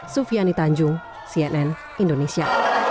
sufiani tanjung cnn indonesia